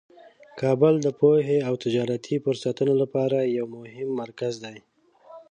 کابل د پوهې او تجارتي فرصتونو لپاره یو مهم مرکز دی.